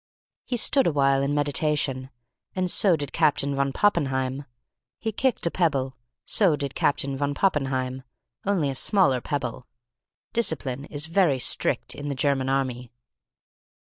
He stood awhile in meditation. So did Captain von Poppenheim. He kicked a pebble. So did Captain von Poppenheim only a smaller pebble. Discipline is very strict in the German army.